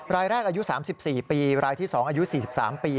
รายแรกอายุ๓๔ปีรายที่๒อายุ๔๓ปี